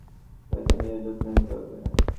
তাকে নিজের যত্ন নিতে হবে।